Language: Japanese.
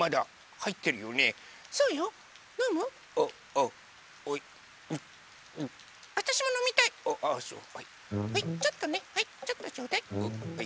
はいちょっとねはいちょっとちょうだい。